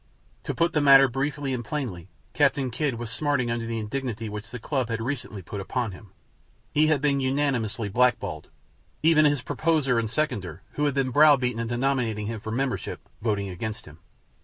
To put the matter briefly and plainly, Captain Kidd was smarting under the indignity which the club had recently put upon him. He had been unanimously blackballed, even his proposer and seconder, who had been browbeaten into nominating him for membership, voting against him.